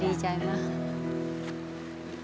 ดีใจมาก